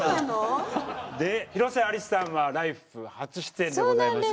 で広瀬アリスさんは「ＬＩＦＥ！」初出演でございますが。